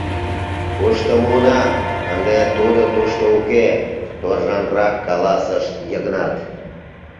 — Кушто муынам, ынде Тудо тушто уке! — торжанрак каласыш Йыгнат.